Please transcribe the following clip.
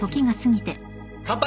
乾杯！